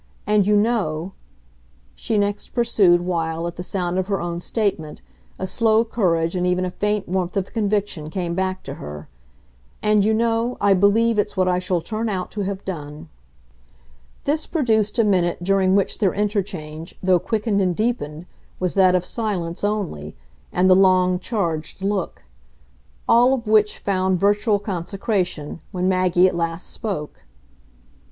And, you know," she next pursued, while, at the sound of her own statement, a slow courage and even a faint warmth of conviction came back to her "and, you know, I believe it's what I shall turn out to have done." This produced a minute during which their interchange, though quickened and deepened, was that of silence only, and the long, charged look; all of which found virtual consecration when Maggie at last spoke.